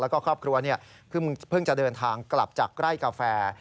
แล้วก็ครอบครัวเพิ่งจะเดินทางกลับจากไร่กาแฟ